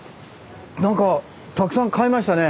何かたくさん買いましたね。